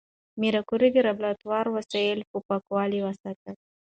ماري کوري د لابراتوار وسایل په پاکوالي وساتل.